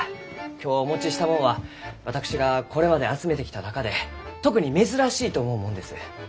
今日お持ちしたもんは私がこれまで集めてきた中で特に珍しいと思うもんです。